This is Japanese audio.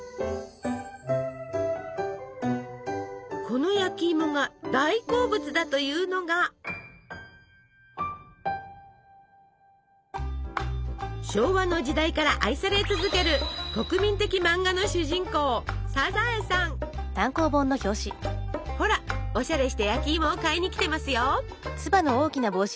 この焼きいもが大好物だというのが昭和の時代から愛され続ける国民的漫画の主人公ほらおしゃれして焼きいもを買いに来てますよ！